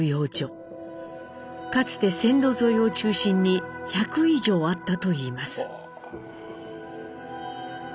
かつて線路沿いを中心に１００以上あったといいます。